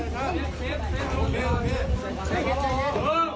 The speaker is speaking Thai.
จริง